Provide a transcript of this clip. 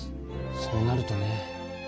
そうなるとねえ。